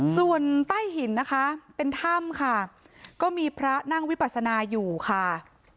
ส่วนใต้หินนะคะเป็นถ้ำค่ะก็มีพระนั่งวิปัสนาอยู่ค่ะ